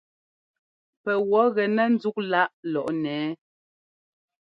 Pɛwɔ̌ gɛnɛ́ ńzúk láꞌ lɔꞌnɛ ɛ́ɛ ?